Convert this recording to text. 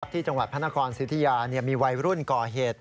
ที่จังหวัดพระนครสิทธิยามีวัยรุ่นก่อเหตุ